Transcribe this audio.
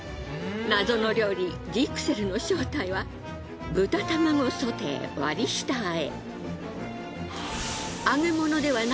謎の料理ジクセルの正体は豚卵ソテー割り下和え。